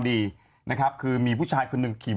อีกเรื่อยอีกเรื่องนึง